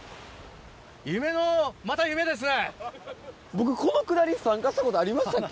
僕このくだり参加したことありましたっけ？